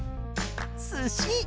すし。